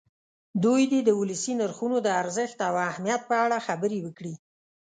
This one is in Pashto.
دوی دې د ولسي نرخونو د ارزښت او اهمیت په اړه خبرې وکړي.